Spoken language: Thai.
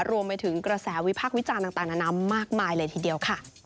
รวมไปถึงกระแสวิพากษ์วิจารณ์ต่างนานามากมายเลยทีเดียวค่ะ